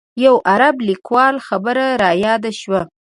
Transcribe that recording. یو عرب لیکوال خبره رایاده شوه.